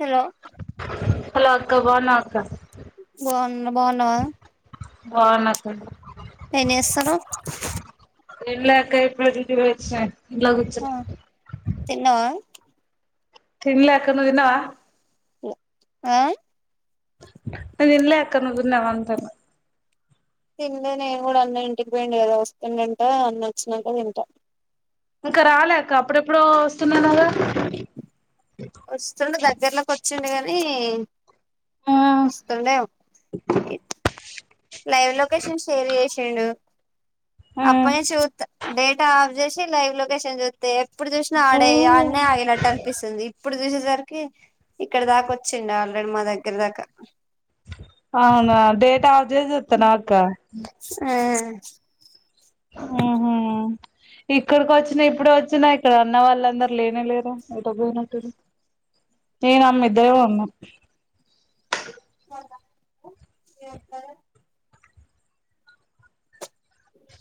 Hello hello అక్క బావున్నవవక్క బావున్నా నువ్వు బావున్నావా బావున్నక్క ఎం చేస్తున్రు ఎమ్లేఅక్క, ఇపుడే డ్యూటీకి పోయించిన ఇంట్ల కూర్చున్న తీన్నవా తిన్లే అక్క నువ్వు తిన్నావా ఆ నేను తిన్లెయక్క నువ్వు తిన్నావా తిన్లే నేను కూడా అన్న ఇంటికి పోయిండు కదా వస్తుండాట అన్న వచ్చినాక తింటా ఇంకా రాలేఅక్క అప్పుడెప్పుడు వస్తున్నాన్నారూ అన్నవ్ కదా వస్తుండు. దగ్గర్లోకి వచ్చిండి గాని ఆ వస్తండేమో లైవ్ లొకేషన్ షేర్ చేసిండు. అప్పుటి నుంచి చూత్త డేటా ఆఫ్ చేసి లైవ్ లొకేషన్ చూస్తే ఎప్పుడు చూసినా ఆడే ఆన్న ఆగినట్టు అనిపిస్తాడు తప్పపిస్తుంది ఇప్పుడు చూసేసరికి ఇక్కడ దాకా వచ్చిడి ఆల్రెడీ మా దగ్గర దాకా అవునా డేటా ఆఫ్ చేసి చూస్తారా అక్క ఆ ఆహ ఇక్కడికి వచ్చినా ఇప్పుడు వచ్చినా ఇక్కడ అన్న వాళ్ళందరుూ లేనే లేరా ఎటో పోయినట్రు నేను అమ్మ ఇద్దరం ఉన్నాం ఎ [inaudible]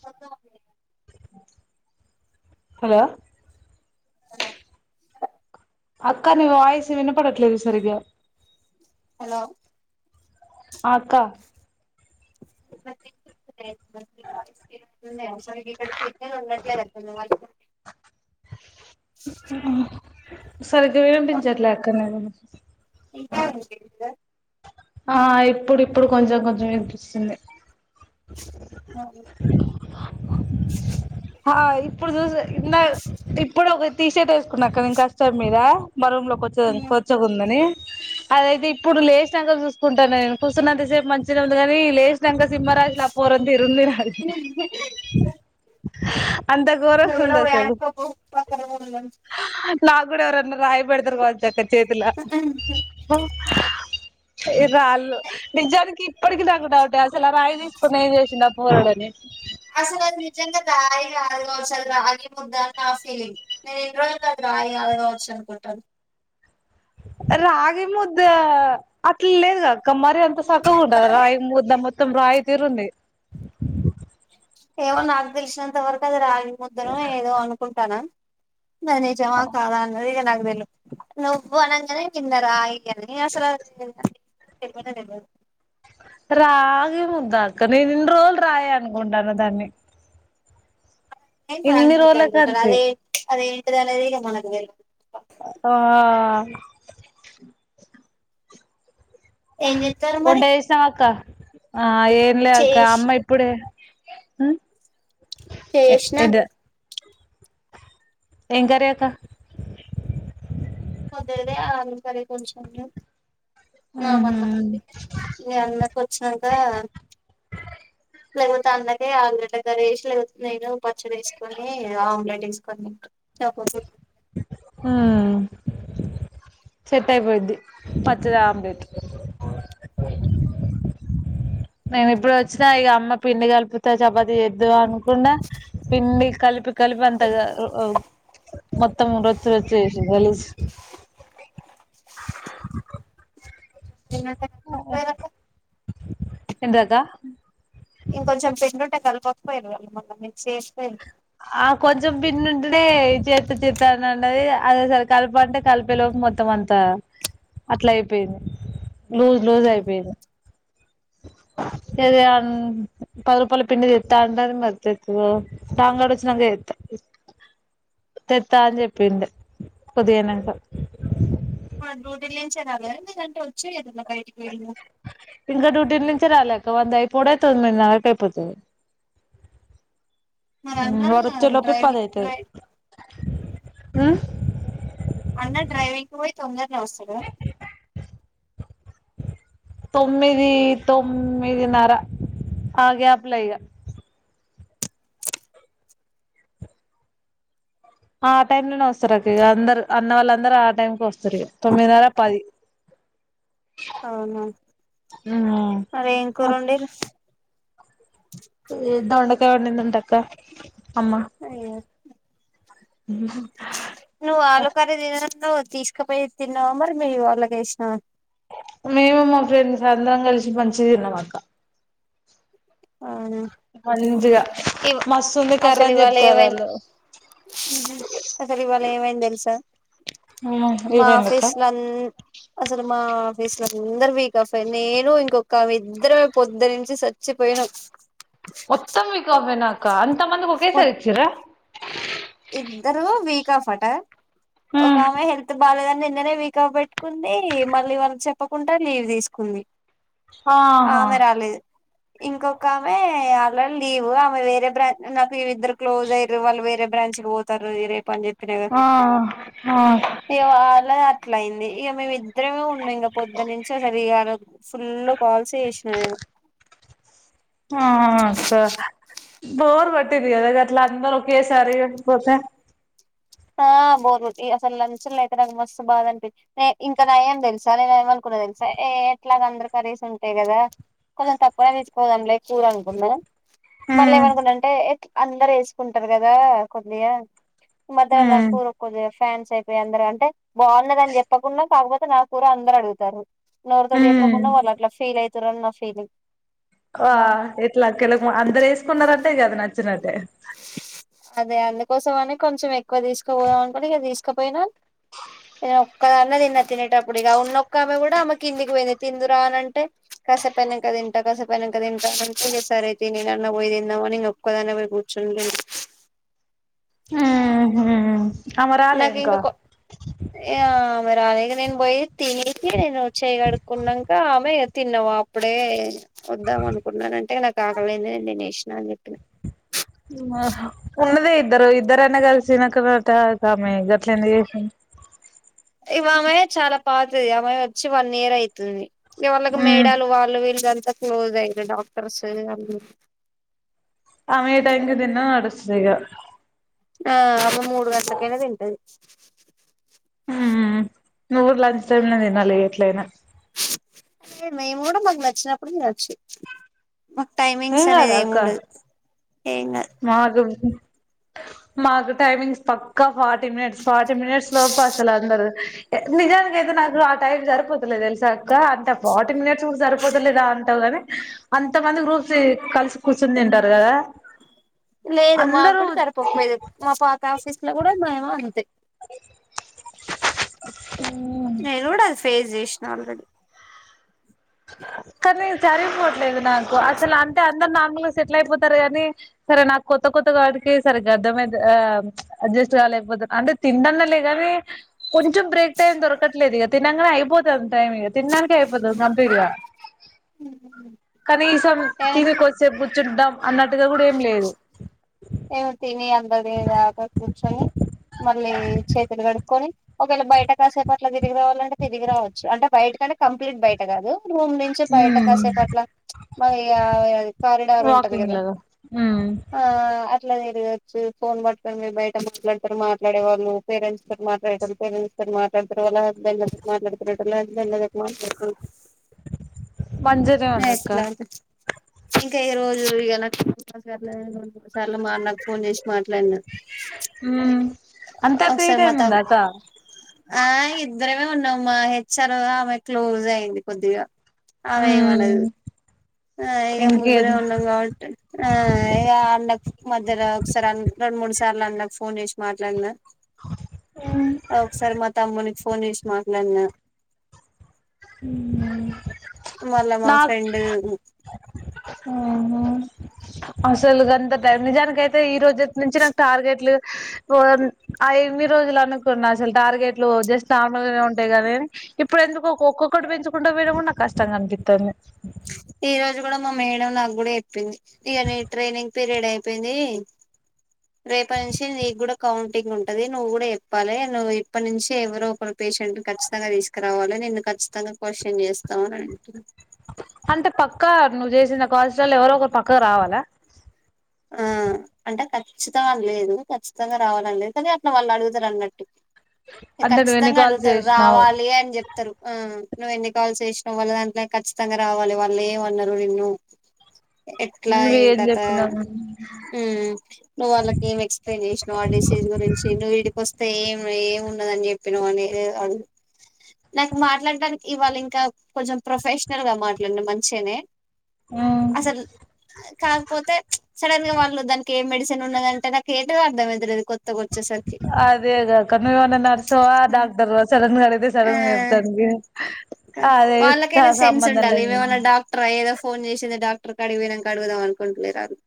సంతా అ [inaudible] హలో హలో అక్క నీ వాయిసు వినపడట్లేదు సరిగ్గా హలో ఆక్క [unintelligible] మక్కడ సట్ ఉన్నట్లా [unintelligible] హ్మ్మ్ సరిగ్గా వినిపించట్లేదు అక్క నాకు ఇంకా [unintelligible] ఆ ఇప్పుడు ఇప్పుడు కొంచెం కొంచెం వినిపిస్తుంది. అ ఆ ఇప్పుడు చూసన్న ఇందాక ఇప్పుడు ఒక టీ షర్ట్ వేసుకున్నా కానీ ఇంకష్టం మీద మా రూమ్ లోకి వచ్చ కొచ్చగుందని అదైతే ఇప్పుడు లేచినంక చూసుకుంటాన నేను కూర్చున్నంతసేపు మంచిగా ఉంది కాని లేస్ నిజంగ సింమరాజ్లా ఆ పోరన్ తీరు వుంది నాది అంతకు నువ్ కూడా పొయి అన్క పో పక్క రూమ్ ల ఉన్నది నాగుడ ఎవరన్న రయిబెడతరు కావచ్చాక చేేతిల ఇ రాలు నిజనికి ఇపటికి నాకు డౌట్ ఏ అ రాయి తీసుకుని ఏం చేసింది ఆ పోరాడని అసలు అది నిజంగా దాయి కాదు కావచ్చు రాగి ముద్దాని ఆ ఫీలింగ్ నేను ఇన్ని రోజులు అది రాయి కాదు కావచ్చు అని అనుకుంటాన రాగి ముద్ద అట్ల లేదుగా కమ్ మరి అంత సక్కగ ఉంటదా రాయి ముద్ద మత్తం రాయి తిరుంది ఏవో నాకు తెలిసినంత వరకు అది రాగి ముద్దనో ఏదో అనుకుంటానం జమ కాదా అన్నదిగ నాకు దల్ నువ్ అనంగానే కింద రాయి ఎల్ని అసలది తెలవలేదు రాగి ముందాక నేన్ ఇన్ని రోజలు రాయి అనుకుంటాన దాన్ని రాగి ఇన్ని ముద్ద రోజుల అనుకుంటారు కాంచి అదే అదేంటిదనేది ఇగ మనకు తెలవద్ ఆ ఏం చెస్తారు మరి చాకా ఆ ఏం లేక చేసి అమ్మ ఇప్పుడే ఊ చేసిన ఏం కర్రీ అక్క పొద్దడిదే ఆలు కర్రీ కొంచెం నా ఉహు మందం అంతే మీ అన్నకి వచ్చినంక లేకపోతే అండ్లకే ఆలు గడ్డ కర్రీ వేసి లేకపోతే నేను పచ్చడి వేసుకొని ఆమ్లెట్ వేసుకొని తింటా నాకొద్దు ఊమ్ సెట్ అయిపోయిద్ది పచ్చదే ఆమ్లెట్ నేను ఇప్పుడు వచ్చినా ఇగ అమ్మ పిండి కలిపి త చపాతి చేద్దు అనుకున్న పిండి కలిపి కలిపి అంతగా ఒ మొత్తం రొచ్చు రొచ్చు చేసింది గలీజ్ తిన్నట్టే ఆ ఏంటిదకా ఇంకోంచెం పిండి ఉంటే కలుపకపోయారు వాళ్ళ మళ్ళ మిక్స్ చేస్తె ఆ కొంచెం పిండి ఉంటే ఈ చేత్త చేత్త అన్నది అది అసలు కలప అంతే కలిపే లోపు మొత్తం అంత త అట్లా అయిపోయింది లూజ్ లూజ్ అయిపోయింది తెదాన్ పది రూపాయలు పిండి తెత్త అంటది మరి తెత్తదొ శంగడు వచ్చినంగా చెత్త తెత్తాని చెప్పింది కొద్దిగా అయినంక ఆ డ్యూటీ నుంచే రాలేదా లేదంటే వచ్చేయ ఏదన్నా బయటికి వెళ్ళా ఇంకా డ్యూటీ నుంచి రాలే అక్క వంది అయిపోవుడే తొమ్మిదినరకి అయిపోతుంది మరి ఊ అన్న వాడు వచ్చే లోపె పది డ్రైవింగ్ ఐతది డ్రైవ్ అన్న డ్రైవింగ్ కు పోయి తొందరగా వస్తాడు కదా [unintelligible] తొమ్మిది తొమ్మిది నర ఆ గ్యాప్లగా ఆ టైమ్ లోనే వస్తారు అక్క ఇగ అందరు అన్న వాళ్ళ అందరు ఆ టైమ్కి వస్ తొమ్మిదినర పది అవునా మరి ఏం కూరండి దొండకాయ వండిందంట అక్క అమ్మ నువ్వు ఆలుకర్రీ తిననన్నావుగా తీసుకుపోయి తిన్నావు మరి వేరే వాళ్ళకేసిన మేము మా ఫ్రెండ్ అందరం కలిసి మంచిగా తిన్నాం అక్క అవునా మంచిగా ఇవ్ మస్తుంది కర్ర అని చెప్తారు వాళ్ళు ఉహు అసలు ఇవాళ ఏమైంది తెల్సా ఏమైంది అక్క మాఫీస్లన్ అసలు మా ఆఫీస్ లో అందరు వీక్ అఫె నేను ఇంకొక ఇద్దరమే పొద్ద నుంచి సచ్చి పోయినాం మొత్తం వీక్ ఆఫె నా అక్క అంత మందికి మొ ఒకేసారి ఇచ్చారా ఇద్దరు వీక్ ఆఫ్ అట ఒక ఆమె హెల్త్ బాగాలేదని నిన్ననే వీక్ ఆఫ్ బెట్ కుంది మళ్ళీ వాళ్ళకి చెప్పకుండా లీవ్ తీసుకుంది ఆహా ఆమె రాలేదు ఇంకొక ఆమె ఆల్రెడీ లీవు ఆమె వేరే బ్రాంచ్ నాకు ఇద్దరు క్లోజ్ అయ్యారు వాళ్ళు వేరే బ్రాంచి కి పోతారు రేపు అని చెప్ ఆ ఆ ఇగ వాళ్ళది అట్లయింది ఇగ మేమిద్దరమే ఉన్నాం ఇంక పొద్దునుంచి అసలు ఇయల ఫుల్ కాల్స్ చేసినా నేను ఆ అక్క బోర్ కొట్టింది కదా అట్లా అందరు ఒకేసారి పోతే ఆ బోర్ కొట్టి అసలు లంచ్ ల అయితే నాకు మస్తు బాధ అనిపి ఎ ఇంకా నయం తెలుసా నేను ఏమనుకున్న తెలుసా ఏ ఎట్లాగ అందరు కర్రీస్ ఉంటాయి కదా కొంచెం తక్కువ తీసుకపోదంలే కూర అనుకున్నా మళ్ళీ ఉమ్ ఏమనుకున్నా అంటే అందరు వేసుకుంటారు కదా కొద్దిగా మధ్యానం ఉమ్ నాకు కొద్దిగా ఫ్యాన్స్ అయిపోయి అందరు అంటే బాగున్నాదని చెప్పకుండా కాకపోతే నా కూర అందరు అడుగుతారు నోరుతోటి ఉమ్ చెప్పకుండా వాళ్ళు అట్లా ఫీల్ అవుతారని నా ఫీలింగ్ ఆ బా ఎట్లా కలక అందరు వేసుకున్నారంటే ఇంగ అది నచ్చినట్టే అదే అందుకోసం అని కొంచెం ఎక్కువ తీసుకుపోదాం అనుకోని ఇక తీసుకపోయినా నేను ఒక్కదాన్నే తిన్న తినేటప్పుడు ఇక ఉన్నొక్క ఆమె కూడా ఆమె కిందికి పోయింది తిందురా అంటే కాసేపు అయినంక తింట కాసేపు అయినంక తింట అంత సారియితే నేనన్న పోయి తిందామని ఇంగ ఒక్కద్దాన్నే పోయి కు చున్నా ఉహు నాకు ఇంగ కొ ఆ ఆమె రాలేగా నేను పోయి తినేసి నేను చేయిగడుకున్నాక ఆమె తిన్నావా ఇప్పుడే వద్దాం అనుకుంటన్నానంటే నాకు ఆకలయ్యింది నేను తినేసా అని చెప్పినాను ఆహా ఉన్నదే ఇద్దరు ఇద్దరన్న కలిసి తినక త ఆమె గట్లు ఎందుకు చేసి ఇవి ఆమె చాలా పాతది ఆమె వచ్చి వన్ ఇయర్ అయితుది ఇ వాళ్ళకి ఉమ్ మేడాలు వాళ్ళు వీళ్ళంతా క్లోజ్ అయ్యారు డాక్టర్స్ ఆళ్ళు ఆమె టైం కి దిన్న నడుస్తదిగా ఆ ఆమె మూడు గంటలకైనా తింటది ఉ నువ్వు లంచ్ టైమ్ లో తినాలి ఎట్లైనా ఏ మేము కూడా మాకు నచ్చినప్పుడు తినొచ్చు మాకు టైమింగ్స్ ఏం అనేది ఏమి ఉండదు ఇంగ మాదున్ ఆ మాకు టైమింగ్స్ పక్కా ఫార్టీ మినిట్స్ ఫార్టీ మినిట్స్ లోపు అసలు అందరు నిజానికైతే నాకు ఆ టైం సరిపోతలేద్ తెలిసాక్క అంటే ఫార్టీ మినిట్స్ కూడా సరిపోతలేదా అంటావు గాని అంతమంది గ్రూప్సి కలిసి కూసిన్ దీంటారు గదా లేదు మా గూడా తరిపపోయేది మా పాత ఆఫీస్ లో కూడా మామో అంతే నేను కూడా అది ఫేస్ జేషినా ఆల్రెడీ కానీ సరిపోవట్లేదు నాకు అసలు అంటే అందరు నార్మూలగా సెటిల్ అయిపోతారు కాని సరే నాకు కొత్త కొత్తగాడికి సరే గర్ద్దమద ఆ అడ్జస్ట్ గాలకపోతు అంటే తినడదాలే గానీ కొంచెం బ్రేక్ టైం దొరకట్లే ఇగా తినంగానే అయిపోతది. టైమ్ ఇగా తిన్నాడానికే అయిపోతది. కనీసం తిన్ని కొంద్ సేప్ కూర్చుదాం. అన్నట్టుగా గూడా ఏం లేదు. ఏమి తిని అందరి దినేదాకా కూర్చొని మళ్ళీ చేతులు కడుకొని ఒకవేళ బయట కాసేపు అట్లా తిరిగి రావాలంటే తిరిగి రావచ్చు అంటే బయట అంటే కంప్లీట్ బయట కాదు రూమ్ నుం చి బయట కాసేపట్ల మరి ఇగా కారిడార్ ఉంటది వాకింగ్ గదా లాగా ఉమ్ ఆఆ అత్ ట్లా తిరగొచ్చు ఫోన్ పడుత మీరు బయట మాట్లాడతారు మాట్లాడే వాళ్ళు పేరెంట్స్ తో మాట్లాడటారు పేరెంట్స్ కొన్ మాట్లాడతారు వాళ్ళ బల్ల్ మాట్లాడుతురుట బెల్లగ్ మాట్లాడుతురు. మంచిగానే ఉంది అక్క నేట్లాంట్ ఇంకా ఈ రోజు ఇగా నాక్ [unintelligible] లు మా అన్నక్ ఫోన్ జేసి మాట్లాడన్నా. ఉహు్ ఓక్ సార్ మా తావ్ ఆ ఇద్దరమే ఉన్నామ్ మా హెచ్ఆర్ ఆమె క్లోజ్ అయింది కొద్దిగా ఆవే ఉమ్ వనదు ఆ ఇగా ముగ్గురే ఇంకేం ఉన్నం గావట్టి ఆ యా అన్నక్ మధ్యర ఒకసారి ఆన్ రెండు మూడు సార్లు అన్నక్ ఫోన్ జేసి మాట్లాడిన ఉహ్ ఆ ఓక్ సారీ మా తమ్మునికి ఫోన్ జేశ్ మాట్లాడనా ఉహుహ్ మళ్ళా మా నాక్ ఫ్రెండ్ ఉహుహ్ అసలు గంత టైం నిజానికైతే ఈ రోజు నుంచి నాకు టార్గెట్లు ఓయన్ అవి ఎమిన్ని రోజులు అనుకున్నా అసలు టార్గెట్లు జస్ట్ నార్మల్ గానే ఉంటాయి గాదే ఇప్పుడు ఎందుకో ఒక్కొక్కటి బెచుకుంటా బోయినా గూడా నాకు కష్టంగా అనిపితది. ఈ రోజు గూడా మా మేడం నా గూడా ఏప్పింది ఇగా నీ ట్రైనింగ్ పీరియడ్ అయిపోయిది. రేపా నుంచి నీ గూడా కౌంట్ టీగ్ ఉంటది నువ్వు కూడా ఏప్పాలి. నువ్వు ఇప్పటి నుంచి ఎవరో ఒకరు పేషెంట్ కచ్చితంగా దీస్ క్రవాలి నిన్ను ఖచ్చితంగా క్వశ్చన్ జేస్తామ అని అడిగిరు అంటే పక్క నువ్వు జేసిన కాల్స్ లలో ఎవరో ఒకరు పక్కవ్ రావాలా. ఆ అంటే ఖచ్చితం అని లేదు ఖచ్చితంగా రావాలని లేదు కానీ అట్లా వాళ్ళు అడుగుతారు అన్నట్టు ఈ అంటే నువ్వు ఎన్ని ఖచ్చితంగా కాల్స్ అడుగుతారు చేసినావు రావాలి ఆన్ జేప్ తారు ఆ నువ్వ ఎన్ని కాల్స్ ఎషిన్నావ్ వాళ్ళ దాంట్లో ఖచ్చితంగా రావాలి వాళ్ళు ఏమన్నారు నిన్ను ఎట్లా నువ్వు ఏ ఏం కథ చెప్పినావు ఉహ్ నువ్వు ఆళ్ళకి ఏం ఎక్స్ప్లెయిన్ జేశినావ్ ఆ డిసీజ్ గురించి నువ్ ఇడిప్ వస్తే ఏం ఏమి ఉండదని జేప్పిన అని ఆడువ్ నాకు మాట్లాడడానికి ఇవ్వాలి ఇంకా కొంచెం ప్రొఫెషనల్ గా మాట్లాడిన మంచిగనే ఉమ్ అసల కాకపోతే ధనగవాళ్ల దానికి ఏ మెడిసిన్ ఉన్నదంటే నాకు ఏంటిదో అర్థం అయితలేదు కొ కొత్తగా వచ్చేసర్ అదేగద కనుగొన్న నర్స్ ఏమో ఆ డాక్టర్ సడన్ గా అడిగితే ఆ సడన్ గా చెప్తారు అదే నాకు సంబంధం లేదు ట్రై ఏదో ఫోన్ చేసింది డాక్టర్ కాడికి పోయినంక అడుగుదాం అనుకుంటట్లే రాదు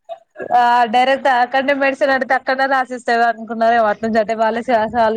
ఆ డైరెక్ట్ అక్కడనే మెడిసిన్ అడితే అక్కడనే రాసిస్తారు అనుకున్నారేమో అటు నుంచి అట్టే వాళ్లే చాలాసార్లు చెప్ప